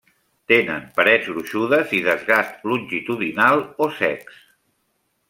Tenen parets gruixudes i desgast longitudinal o secs.